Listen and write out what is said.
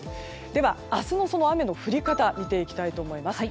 では、明日の雨の降り方を見ていきたいと思います。